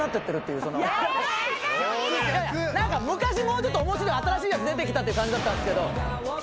何か昔もうちょっと面白い新しいやつ出てきたって感じだったんですけど。